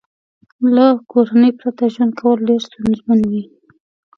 له کورنۍ پرته ژوند کول ډېر ستونزمن وي